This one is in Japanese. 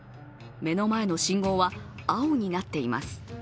目の前の信号は、青になっています。